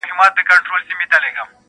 ښکاري هم کرار کرار ورغی پلی -